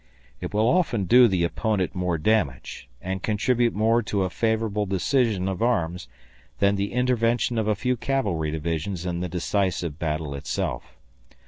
It will often do the opponent more damage, and contribute more to a favorable decision of arms than the intervention of a few cavalry divisions in the decisive battle itself.